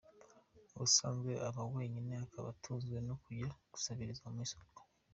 Ubusanzwe aba wenyine, akaba atunzwe no kujya gusabiriza mu isoko.